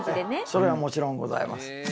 それはもちろんございます。